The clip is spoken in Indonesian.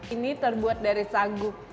ini terbuat dari sagu